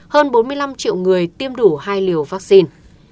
hơn bốn mươi năm triệu người tiêm đủ hai liều vaccine